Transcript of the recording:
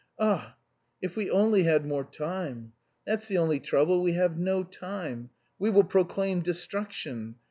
Ah, if we only had more time! That's the only trouble, we have no time. We will proclaim destruction....